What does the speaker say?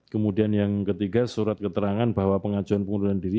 kemudian yang ketiga surat keterangan bahwa pengajuan pengunduran diri